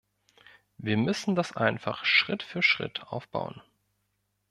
Wir müssen das einfach Schritt für Schritt aufbauen.